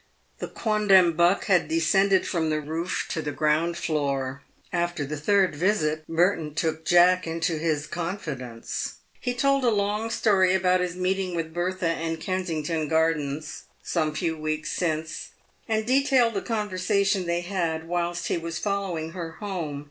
The quondam buck had descended from the roof to the ground floor. After the third visit, Merton took Jack into his confidence. He told a long story about his meeting with Bertha in Kensington Gardens, some few weeks since, and detailed the conversation they had whilst he was following her home.